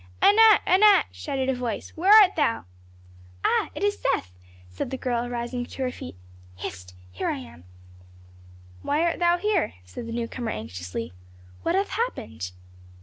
"Anat! Anat!" shouted a voice. "Where art thou?" "Ah! it is Seth," said the girl, rising to her feet. "Hist! Here am I." "Why art thou here?" said the newcomer anxiously. "What hath happened?"